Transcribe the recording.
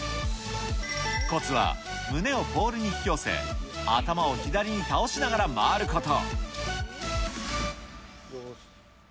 こつは、胸をポールに引き寄せ、頭を左に倒しながら回ること。